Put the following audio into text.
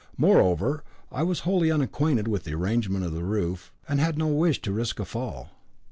Moreover, I was wholly unacquainted with the arrangement of the roof, and had no wish to risk a fall.